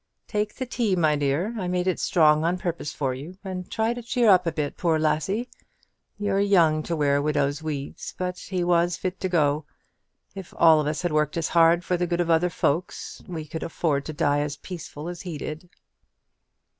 "Take the tea, my dear; I made it strong on purpose for you; and try and cheer up a bit, poor lassie; you're young to wear widow's weeds; but he was fit to go. If all of us had worked as hard for the good of other folks, we could afford to die as peaceful as he did."